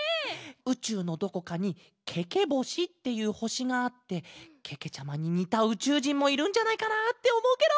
うちゅうのどこかにケケぼしっていうほしがあってけけちゃまににたうちゅうじんもいるんじゃないかなっておもうケロ！